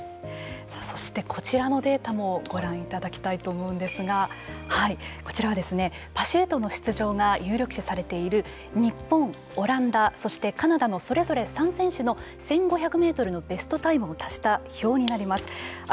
さあ、そしてこちらのデータもご覧いただきたいと思うんですがこちらはパシュートの出場が有力視されている日本、オランダ、そしてカナダのそれぞれ３選手の１５００メートルのベストタイムを足した表になります。